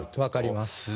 分かります。